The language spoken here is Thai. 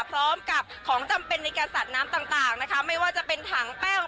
พร้อมกับของจำเป็นในการสัดน้ำต่างต่างนะคะไม่ว่าจะเป็นถังแป้ว